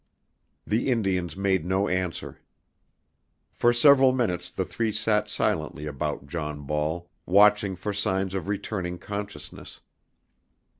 The Indians made no answer. For several minutes the three sat silently about John Ball watching for signs of returning consciousness.